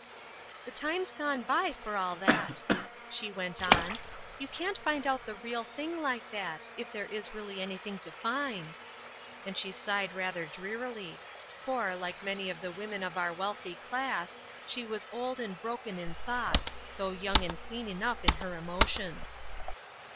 "The time's gone by for all that," she went on; "you can't find out the real thing like that if there is really anything to find " and she sighed rather drearily; for, like many of the women of our wealthy class, she was old and broken in thought, though young and clean enough in her emotions.